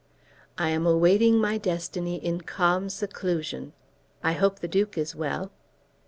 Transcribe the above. "I am waiting my destiny in calm seclusion. I hope the Duke is well?"